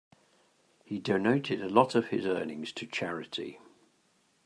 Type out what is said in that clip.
He donated a lot of his earnings to charity.